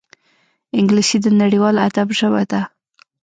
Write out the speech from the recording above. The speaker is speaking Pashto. انګلیسي د نړیوال ادب ژبه ده